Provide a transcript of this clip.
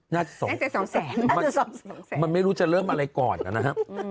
น่าจะสองแสนมันไม่รู้จะเริ่มอะไรก่อนนะครับ